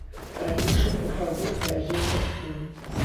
Па-ранейшаму ў фаворы дарагія касцюмы.